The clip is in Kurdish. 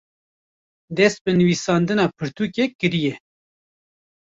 dest bi nivîsandina pirtûkê kiriye